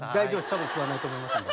多分吸わないと思いますんで。